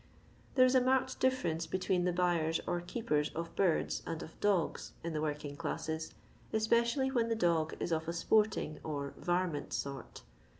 There is a marked difference between the buyers or keepers of birds and of dogs in the working classes, especially when the dog is of a sporting or varmint " sort.